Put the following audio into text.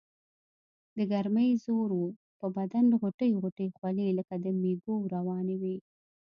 دګرمۍ زور وو پۀ بدن غوټۍ غوټۍ خولې لکه د مېږو روانې وي ـ